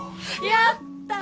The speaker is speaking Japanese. やった。